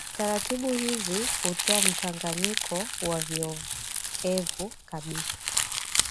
Taratibu hizi hutoa mchanganyiko wa vioevu kabisa